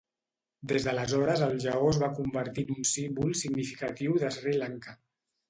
Des d'aleshores el lleó es va convertir en un símbol significatiu de Sri Lanka.